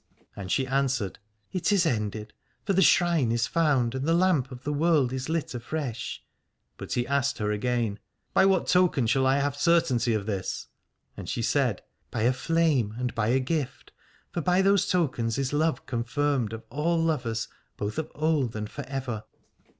And she answered : It is ended, for the shrine is found, and the lamp of the world is lit afresh. But he asked her again : By what token shall I have certainty of this ? And she said : By a flame and by a gift, for by those tokens is love confirmed of all lovers both of old and for ever.